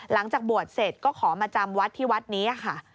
หลังจากบวชเสร็จก็ขอมาจำวัดที่วัดนี้ค่ะ